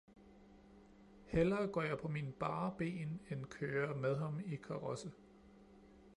Hellere går jeg på mine bare ben end kører med ham i karosse